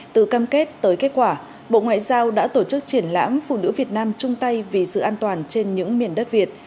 từ cam kết tới kết quả bộ ngoại giao đã tổ chức triển lãm phụ nữ việt nam chung tay vì sự an toàn trên những miền đất việt